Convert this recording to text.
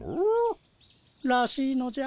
らしいのじゃ。